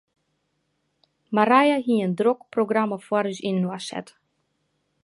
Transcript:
Marije hie in drok programma foar ús yninoar set.